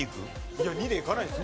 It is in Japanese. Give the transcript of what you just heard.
いや２でいかないですよ。